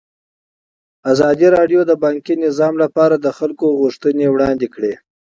ازادي راډیو د بانکي نظام لپاره د خلکو غوښتنې وړاندې کړي.